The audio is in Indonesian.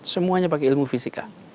semuanya pakai ilmu fisika